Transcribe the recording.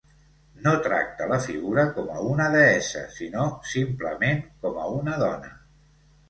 No tracta la figura com a una deessa sinó, simplement, com a una dona.